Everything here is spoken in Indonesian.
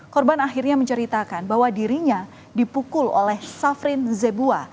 korban akhirnya menceritakan bahwa dirinya dipukul oleh safrin zebua